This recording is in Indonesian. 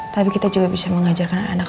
tapi kita juga bisa mengajarkan anak